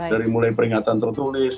dari mulai peringatan tertulis